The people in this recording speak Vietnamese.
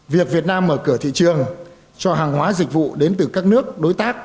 việc việt nam mở cửa thị trường cho hàng hóa dịch vụ đến từ các nước đối tác